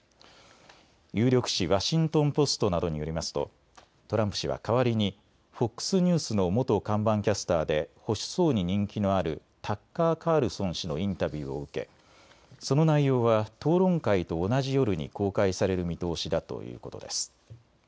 有力紙、ワシントン・ポストなどによりますとトランプ氏は代わりにＦＯＸニュースの元看板キャスターで保守層に人気のあるタッカー・カールソン氏のインタビューを受けその内容は討論会と同じ夜に公開される見通しだということです。